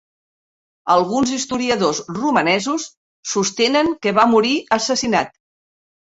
Alguns historiadors romanesos sostenen que va morir assassinat.